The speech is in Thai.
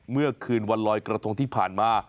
เมื่อคืนวันลอยกระทงที่ผ่านมา